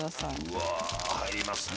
うわあ入りますね。